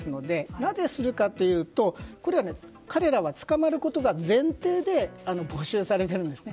なぜするかというと彼らは捕まることが前提で募集されているんですね。